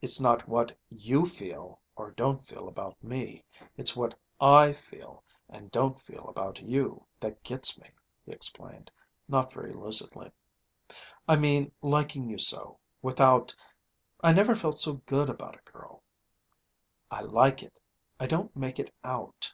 "It's not what you feel or don't feel about me ... it's what I feel and don't feel about you, that gets me," he explained, not very lucidly. "I mean liking you so, without ... I never felt so about a girl. I like it.... I don't make it out...."